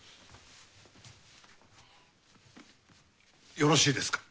よろしいですか？